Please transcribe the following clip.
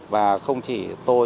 và không chỉ tôi